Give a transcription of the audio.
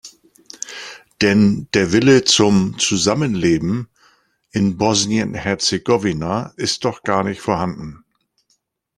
Denn der Wille zum Zusammenleben in Bosnien-Herzegowina ist doch gar nicht vorhanden!